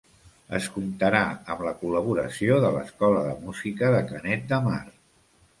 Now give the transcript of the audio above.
Es comptarà amb la col·laboració de l'Escola de Música de Canet de Mar.